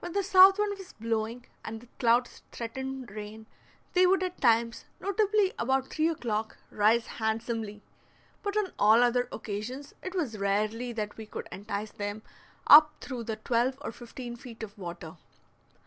When the south wind was blowing and the clouds threatened rain, they would at times, notably about three o'clock, rise handsomely. But on all other occasions it was rarely that we could entice them up through the twelve or fifteen feet of water.